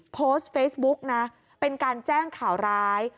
โพสต์เฟซบุ๊กนะเป็นการแจ้งข่าวร้าย